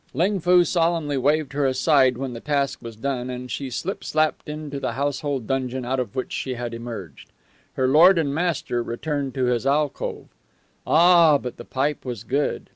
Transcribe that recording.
Ling Foo solemnly waved her aside when the task was done, and she slip slapped into the household dungeon out of which she had emerged. Her lord and master returned to his alcove. Ah, but the pipe was good!